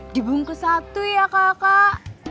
dibungkus satu ya kakak